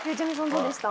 どうでした？